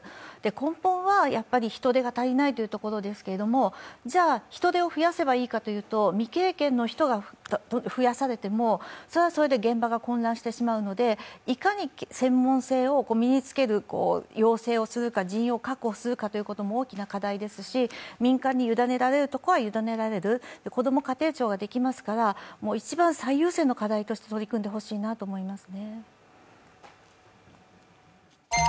根本は人手が足りないというところですけどじゃ、人手を増やせばいいかというと、未経験の人が増やされても、それはそれで現場が混乱してしまうのでいかに専門性を身につける養成をするか人員を確保するかということも大きな課題ですし、民間にゆだねられるところはゆだねる、こども家庭庁ができますから一番最優先の課題として取り組んでほしいと思います。